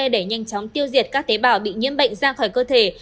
để nhanh chóng tiêu diệt các tế bào bị nhiễm bệnh ra khỏi cơ thể